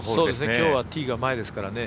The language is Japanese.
きょうはティーが前ですからね。